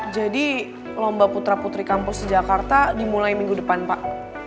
jadi lomba putra putri kampus jakarta dimulai minggu depan pak